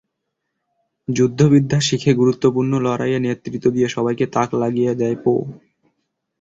যুদ্ধবিদ্যা শিখে গুরুত্বপূর্ণ লড়াইয়ে নেতৃত্ব দিয়ে সবাইকে তাক লাগিয়ে দেয় পো।